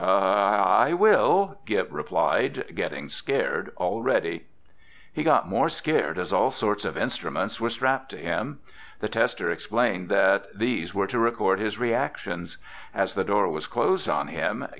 "I—I will," Gib replied, getting scared already. He got more scared as all sorts of instruments were strapped to him. The tester explained that these were to record his reactions. As the door was closed on him.